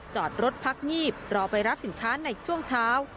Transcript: จอดรถพักงีบรอไปรับสินค้าในช่วงเช้า